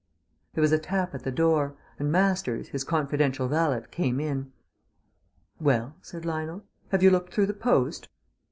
There was a tap at the door, and Masters, his confidential valet, came in. "Well," said Lionel, "have you looked through the post?"